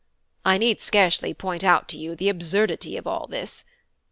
I need scarcely point out to you the absurdity of all this.